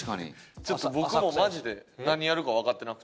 ちょっと僕もマジで何やるかわかってなくて。